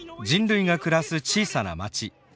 人類が暮らす小さな町。